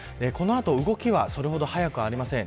動きはそれほど速くありません。